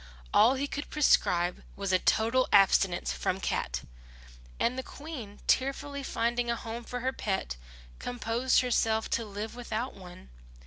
All he could prescribe was a total abstinence from cat; and the Queen, tearfully finding a home for her pet, composed herself to live without one.